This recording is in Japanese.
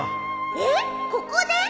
えっここで？